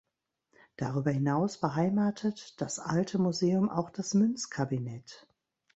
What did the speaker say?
Darüber hinaus beheimatet das Alte Museum auch das Münzkabinett.